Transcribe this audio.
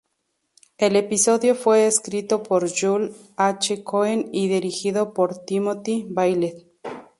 El episodio fue escrito por Joel H. Cohen y dirigido por Timothy Bailey.